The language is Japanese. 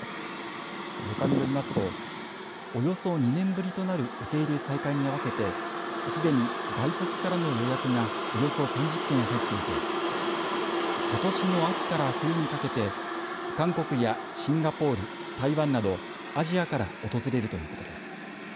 旅館によりますとおよそ２年ぶりとなる受け入れ再開に合わせてすでに外国からの予約がおよそ３０件入っていてことしの秋から冬にかけて韓国やシンガポール、台湾などアジアから訪れるということです。